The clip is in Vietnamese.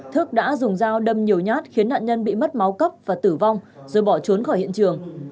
thức đã dùng dao đâm nhiều nhát khiến nạn nhân bị mất máu cấp và tử vong rồi bỏ trốn khỏi hiện trường